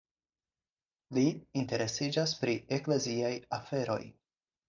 Li interesiĝas pri ekleziaj aferoj.